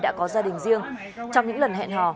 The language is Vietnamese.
đã có gia đình riêng trong những lần hẹn hò